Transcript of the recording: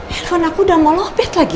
telepon aku udah mau lopet lagi